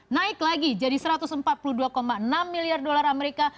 naik lagi jadi satu ratus empat puluh dua enam miliar dolar amerika